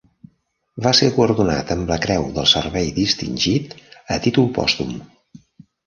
Va ser guardonat amb la Creu del Servei Distingit a títol pòstum.